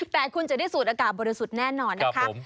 แต่คุณจะได้สูดอากาศบริสุทธิ์แน่นอนนะคะ